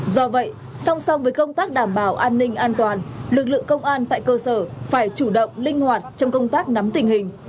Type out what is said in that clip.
do vậy song song với công tác đảm bảo an ninh an toàn lực lượng công an tại cơ sở phải chủ động linh hoạt trong công tác nắm tình hình